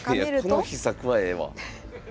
いやこの秘策はええわ。